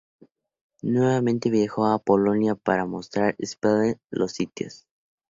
Nuevamente viajó a Polonia para mostrar a Spielberg los sitios.